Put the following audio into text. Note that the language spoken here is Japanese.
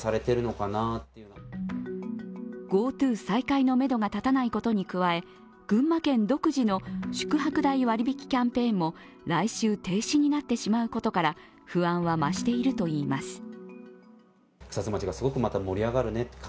ＧｏＴｏ再開のめどが立たないことに加え、群馬県独自の宿泊代割引キャンペーンも来週停止になってしまうことから、不安は増しているといいます。